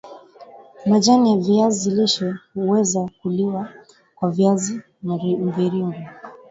Majani ya viazi lishe huweza kuliwa kwa viazi mviringo